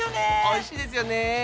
おいしいですよね。